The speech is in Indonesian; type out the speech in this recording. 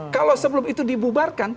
kalau sebelum itu dibubarkan